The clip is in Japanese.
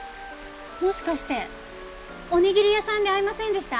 もしかしておにぎり屋さんで会いませんでした？